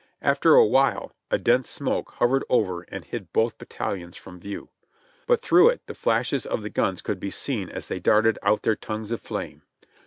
After a while a dense smoke hovered over and hid both bat talions from view ; but through it the flashes of the guns could be seen as they darted out their tongues of flame.